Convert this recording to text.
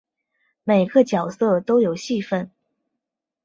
每个角色都有戏份